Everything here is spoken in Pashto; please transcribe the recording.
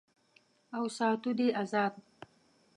او ساتو دې آزاد